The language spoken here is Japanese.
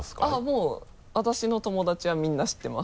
もう私の友達はみんな知ってます。